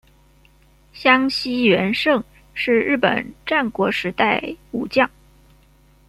香西元盛是日本战国时代武将。